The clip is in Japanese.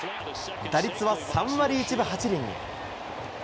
打率は３割１分８厘に。